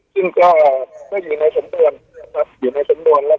ซึ่งก็อยู่ในสมบวนอยู่ในสมบวนแล้วก็อยู่ในหลักฐานนะครับ